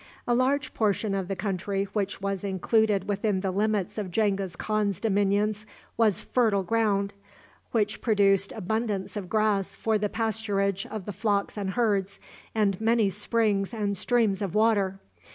A large portion of the country which was included within the limits of Genghis Khan's dominions was fertile ground, which produced abundance of grass for the pasturage of the flocks and herds, and many springs and streams of water.